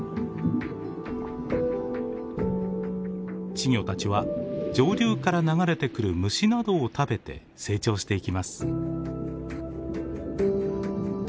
稚魚たちは上流から流れてくる虫などを食べて成長していきます。